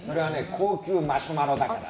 高級マシュマロだから。